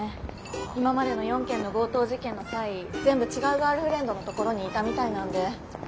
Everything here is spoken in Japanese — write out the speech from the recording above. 今までの４件の強盗事件の際全部違うガールフレンドのところにいたみたいなんで。